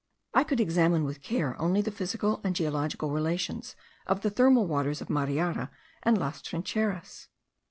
I could examine with care only the physical and geological relations of the thermal waters of Mariara and Las Trincheras.